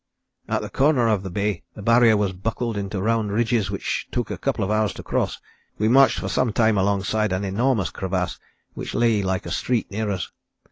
"At the corner of the bay the Barrier was buckled into round ridges which took a couple of hours to cross. We marched for some time alongside an enormous crevasse, which lay like a street near us.